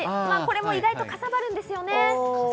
意外とかさばるんですよね。